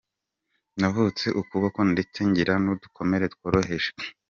Navunitse ukuboko ndetse ngira n’udukomere tworoheje.